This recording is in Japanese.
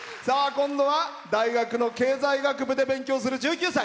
今度は大学の経済学部で勉強する１９歳。